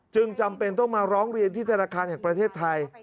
จำเป็นต้องมาร้องเรียนที่ธนาคารแห่งประเทศไทย